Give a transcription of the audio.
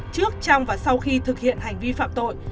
trước trong và sau khi thực hiện hành vi phạm tội